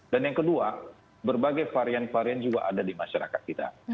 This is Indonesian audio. dan yang kedua berbagai varian varian juga ada di masyarakat kita